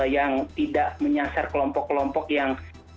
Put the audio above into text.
yang tidak menyasar kelompok kelompok yang